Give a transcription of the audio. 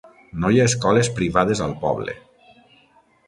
No hi ha escoles privades al poble.